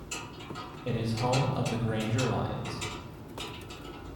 It is home of the Granger Lions.